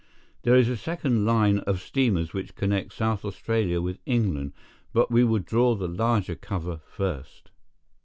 There is a second line of steamers which connect South Australia with England, but we will draw the larger cover first."